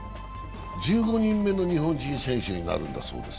１５人目の日本人選手になるんだそうです。